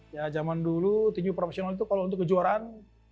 ya zaman dulu tinju profesional itu kalau untuk kejuaraan